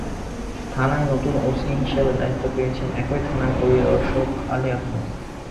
থানায় নতুন ওসি হিসেবে দায়িত্ব পেয়েছেন একই থানার পরিদর্শক আলী আহমেদ।